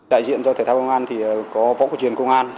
đại diện cho thể thao công an có võ cục truyền công an